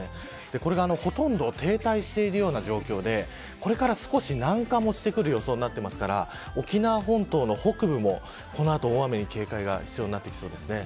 これがほとんど停滞しているような状況でこれから少し南下もしてくる予想になっていますから沖縄本島の北部もこの後、大雨に警戒が必要になってきそうです。